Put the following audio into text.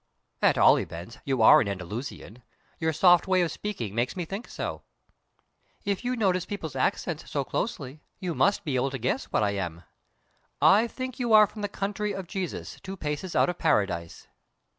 "At all events, you are an Andalusian? Your soft way of speaking makes me think so." "If you notice people's accent so closely, you must be able to guess what I am." "I think you are from the country of Jesus, two paces out of Paradise."